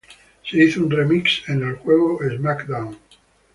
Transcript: Se hizo un remix en el juego Smackdown!